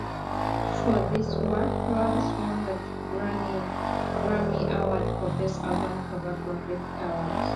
For this work, Klaus won the Grammy Award for Best Album Cover, Graphic Arts.